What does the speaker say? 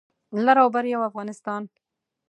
لر او بر یو افغانستان